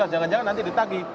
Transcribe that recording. jangan jangan nanti ditagi